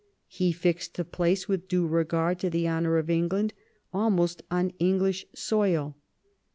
He fixed the place with due regard to the honour of England, almost on English soil.